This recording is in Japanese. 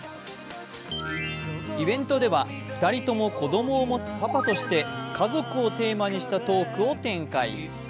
イベントでは２人とも子供を持つパパとして家族をテーマにしたトークを展開。